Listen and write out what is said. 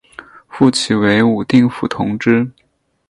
复起为武定府同知。